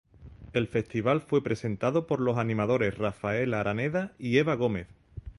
El festival fue presentado por los animadores Rafael Araneda y Eva Gómez.